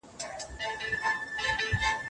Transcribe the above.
وايي چي د منځنۍ پېړۍ خلګ ډېر مذهبي او سخت دريځه وو.